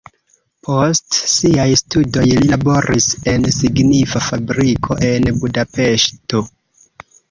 Post siaj studoj li laboris en signifa fabriko en Budapeŝto.